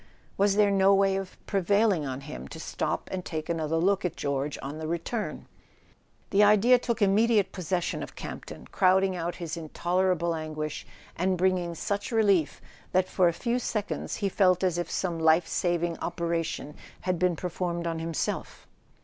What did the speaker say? Was there no way of prevailing on him to stop and take another look at George on the return ? The idea took immediate pos¬ session of Campton, crowding out his intolerable an¬ guish, and bringing such relief that for a few seconds he felt as if some life saving operation had been per¬ formed on himself.